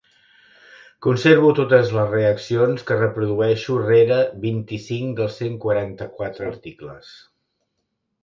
Conservo totes les reaccions que reprodueixo rere vint-i-cinc dels cent quaranta-quatre articles.